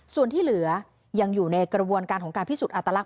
ส่วนที่เหลือยังอยู่ในกระบวนการของการพิสูจนอัตลักษ